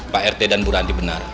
pak rt dan bu ranti benar